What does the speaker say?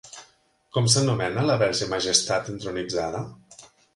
Com s'anomena la Verge Majestat entronitzada?